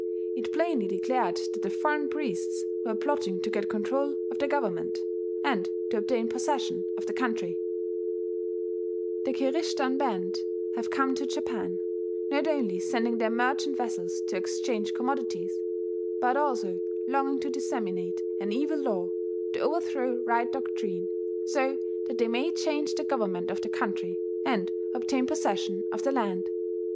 It plainly declared that the foreign priests were plotting to get control of the government, and to obtain possession of the country: "The Kirishitan band have come to Japan, not only sending their merchant vessels to exchange commodities, but also longing to disseminate an evil law, to overthrow right doctrine, so that they may change the government of the country, and obtain possession of the land.